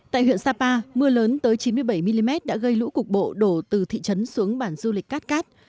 tại huyện sapa mưa lớn tới chín mươi bảy mm đã gây lũ cục bộ đổ từ thị trấn xuống bản du lịch cát cát